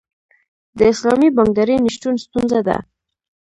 د اسلامي بانکدارۍ نشتون ستونزه ده.